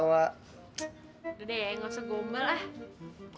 udah deh ya gak usah gombal ah